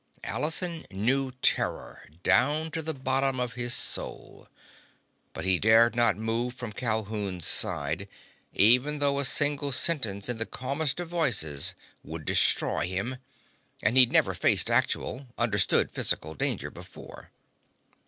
Allison knew terror down to the bottom of his soul. But he dared not move from Calhoun's side, even though a single sentence in the calmest of voices would destroy him, and he'd never faced actual, understood, physical danger before.